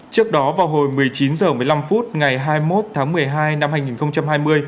trước đó vào hồi một mươi chín h một mươi năm phút ngày hai mươi một tháng một mươi hai năm hai nghìn hai mươi